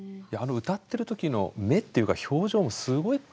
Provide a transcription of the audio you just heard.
歌ってる時の目っていうか表情もすごい興味を持って。